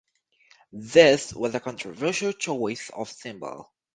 This was a controversial choice of symbol.